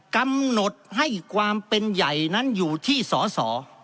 กำหนดให้ความเป็นใหญ่นั้นอยู่ที่สอสอ